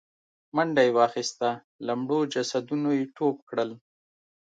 منډه يې واخيسته، له مړو جسدونو يې ټوپ کړل.